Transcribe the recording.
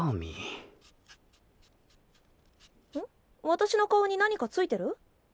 私の顔に何かついてる？